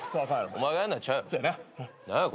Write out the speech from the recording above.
お前がやるのはちゃうやろ。